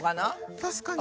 確かに。